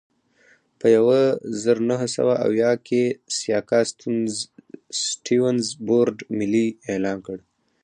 په یوه زرو نهه سوه اویا کال کې سیاکا سټیونز بورډ ملي اعلان کړ.